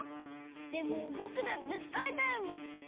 でもぼくだってつかいたいもん。